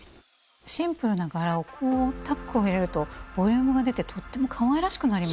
シンプルな柄をこうタックを入れるとボリュームが出てとってもかわいらしくなりましたね。